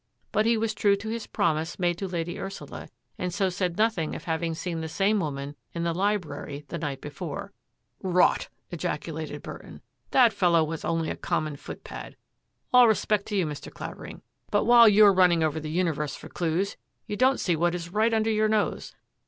But he was true to his promise made to Lady Ursula, and so said nothing of hav ing seen the same woman in the library the night before. " Rot !" ejaculated Burton. " That fellow was only a common footpad. All respect to you, Mr. Clavering, but while you're running over the uni 94 THAT AFFAIR AT THE MANOR verse for clues, you don't see what is right under your nose.